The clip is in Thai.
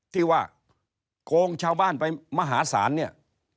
ที่ว่าโกงชาวบ้านไปมหาศาลเนี่ย